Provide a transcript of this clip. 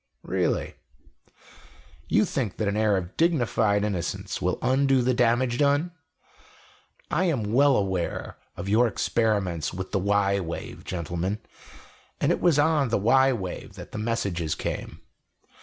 "Really? You think that an air of dignified innocence will undo the damage done? I am well aware of your experiments with the y wave, gentlemen and it was on the y wave that the messages came.